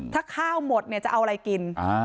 ถ้าข้าวหมดจะเอาอะไรกิน